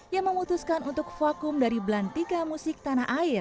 yang memutuskan untuk vakum dari belantika musik tanah air